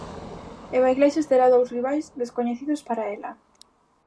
Eva Iglesias terá dous rivais descoñecidos para ela.